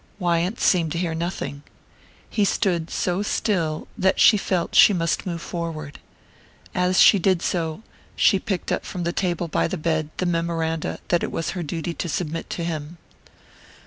Wyant seemed to hear nothing. He stood so still that she felt she must move forward. As she did so, she picked up from the table by the bed the memoranda that it was her duty to submit to him.